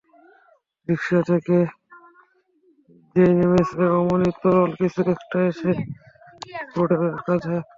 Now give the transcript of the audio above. রিকশা থেকে যেই নেমেছে, অমনি তরল কিছু একটা এসে পড়ে কাঁধে।